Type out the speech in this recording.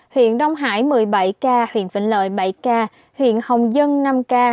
huyện đông hải một mươi bảy ca huyện vĩnh lợi bảy ca huyện hồng dân năm ca